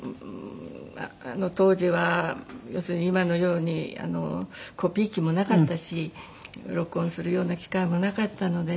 当時は要するに今のようにコピー機もなかったし録音するような機械もなかったのでね